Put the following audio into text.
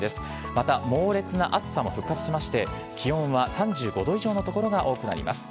また猛烈な暑さも復活しまして、気温は３５度以上の所が多くなります。